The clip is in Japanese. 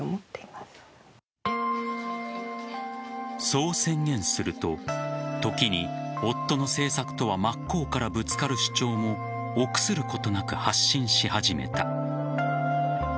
そう宣言すると、時に夫の政策とは真っ向からぶつかる主張も臆することなく発信し始めた。